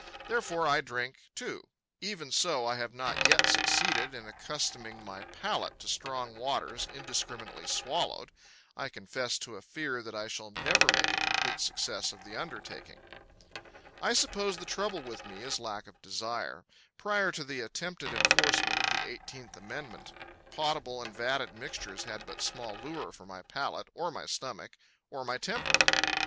Therefore I drink, too. Even so, I have not yet succeeded in accustoming my palate to strong waters indiscriminately swallowed. I confess to a fear that I shall never make a complete success of the undertaking. I suppose the trouble with me is lack of desire. Prior to the attempted enforcement of the Eighteenth Amendment potable and vatted mixtures had but small lure for my palate, or my stomach, or my temperament.